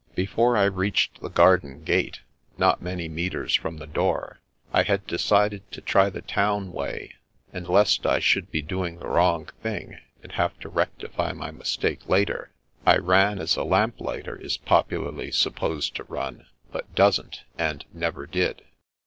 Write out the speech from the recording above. Before I reached the garden gate, not many metres from the door, I had decided to try the town way ; and lest I should be doing the wrong thing and have to rectify my mistake later, I ran as a lamp lighter is popularly supposed to run, but doesn't and never did.